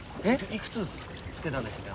いくつつけたんでしたっけ？